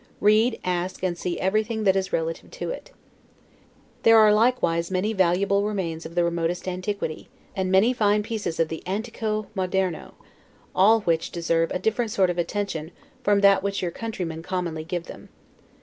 Read, ask, and see everything that is relative to it. There are likewise many valuable remains of the remotest antiquity, and many fine pieces of the Antico moderno, all which deserve a different sort of attention from that which your countrymen commonly give them.